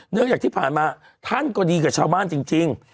เนื่องจากที่ผ่านมาท่านก็ดีกับชาวบ้านจริง